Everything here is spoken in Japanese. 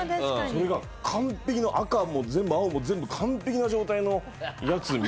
それが完璧な赤も全部青も全部完璧な状態のやつ見付けましたね。